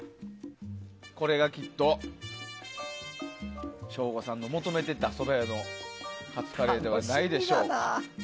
これがきっと省吾さんの求めていたそば屋のカツカレーではないでしょうか。